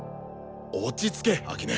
落ち着け秋音。